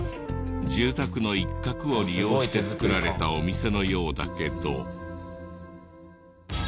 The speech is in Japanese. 住宅の一角を利用して作られたお店のようだけど。